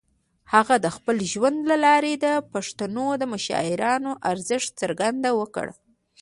هغه د خپل ژوند له لارې د پښتنو د مشرانو د ارزښت څرګندونه وکړه.